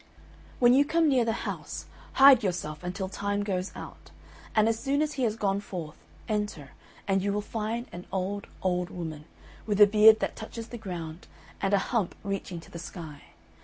"When you come near the house, hide yourself until Time goes out; and as soon as he has gone forth, enter, and you will find an old, old woman, with a beard that touches the ground and a hump reaching to the sky.